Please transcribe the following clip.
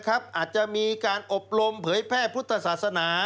อาจจะมีการอบรมเผยแพร่พุทธศาสนา